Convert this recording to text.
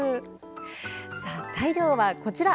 材料はこちら。